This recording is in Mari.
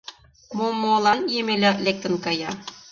Момолан Емеля лектын кая.